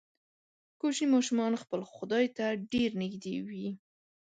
کوچني ماشومان خپل خدای ته ډیر نږدې وي.